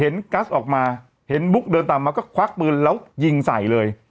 กัสออกมาเห็นบุ๊กเดินตามมาก็ควักปืนแล้วยิงใส่เลย